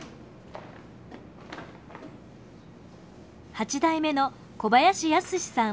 ８代目の小林靖さん